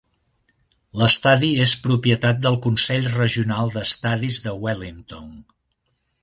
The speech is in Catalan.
L'estadi és propietat del Consell Regional d'Estadis de Wellington.